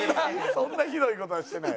そんなひどい事はしてない。